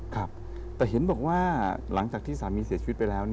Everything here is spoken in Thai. ครับแต่เห็นบอกว่าหลังจากที่สามีเสียชีวิตไปแล้ว